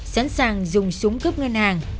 sẵn sàng dùng súng cướp ngân hàng